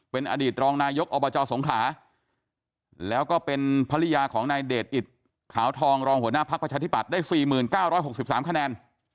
เป็นอดีตรองนายกอบจสงขลาแล้วก็เป็นภรรยาของนายเดชอิตขาวทองรองหัวหน้าภักดิ์ประชาธิบัตย์ได้๔๙๖๓คะแนน